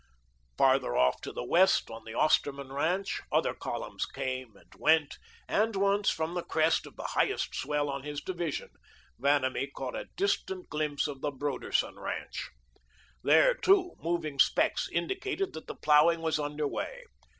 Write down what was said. Farther off to the west on the Osterman ranch other columns came and went, and, once, from the crest of the highest swell on his division, Vanamee caught a distant glimpse of the Broderson ranch. There, too, moving specks indicated that the ploughing was under way.